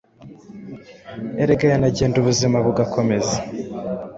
Erega yanagenda ubuzima bugakomeza